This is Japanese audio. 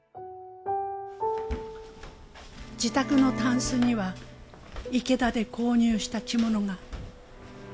自宅のたんすには池田で購入した着物が。